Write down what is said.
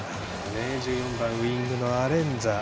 １４番ウイングのアレンザ。